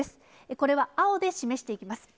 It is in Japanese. これは青で示していきます。